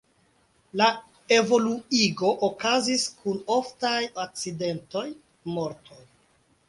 La evoluigo okazis kun oftaj akcidentoj, mortoj.